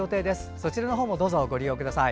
そちらのほうもどうぞご利用ください。